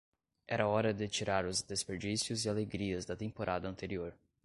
Era hora de tirar os desperdícios e alegrias da temporada anterior.